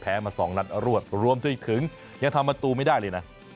แผลมา๒นัทรวดรวมที่อีกถึงยังทำมาตูไม่ได้เลยนะ